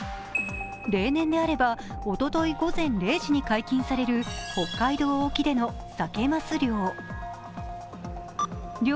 例年であれば、おととい午前０時に解禁される北海道沖でのサケ・マス漁。